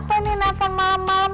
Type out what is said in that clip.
apa nih ganteng malam malam